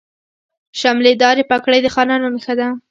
شملې دارې پګړۍ د خانانو نښه ده.